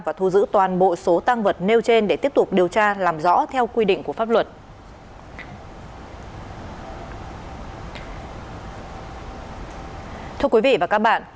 và thu giữ toàn bộ số tăng vật nêu trên để tiếp tục điều tra làm rõ theo quy định của pháp luật